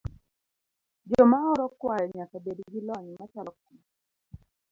Joma oro kwayo nyaka bed gi lony machalo kama.